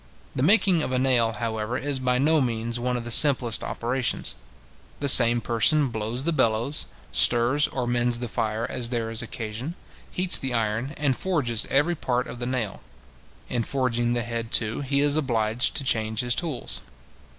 The making of a nail, however, is by no means one of the simplest operations. The same person blows the bellows, stirs or mends the fire as there is occasion, heats the iron, and forges every part of the nail: in forging the head, too, he is obliged to change his tools.